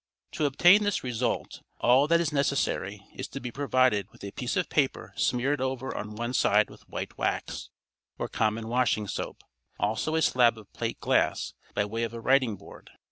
To obtain this result, all that is necessary is to be provided with a piece of paper smeared over on one side with white wax, or common washing soap; also a slab of plate glass by way of writing board.